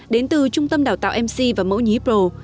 đến từ trung tâm đào tạo mc và mẫu nhí pro